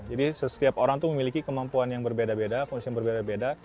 jadi setiap orang memiliki kemampuan yang berbeda beda kondisi yang berbeda beda